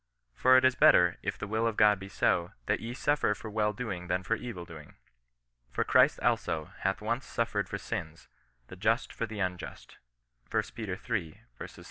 " For it is better, if the will of God be so, that ye suffer for well doing than for evil doing. For Christ also hath once suffered for sins, the just for the unjust." lb. iii.